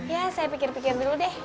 ya saya pikir pikir dulu deh